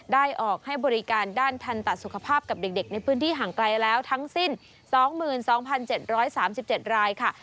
ได้ออกให้บริการด้านทันตสุขภาพกับเด็กในพื้นที่ห่างไกลแล้วทั้งสิ้น๒๒๗๓๗รายค่ะ